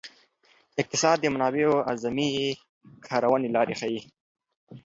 اقتصاد د منابعو اعظمي کارونې لارې ښيي.